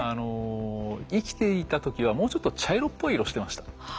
生きていた時はもうちょっと茶色っぽい色してました。